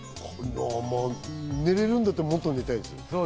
寝られるんだったらもっと寝たい。